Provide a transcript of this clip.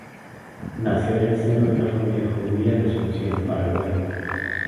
Nació en el seno de una familia judía en Asunción, Paraguay.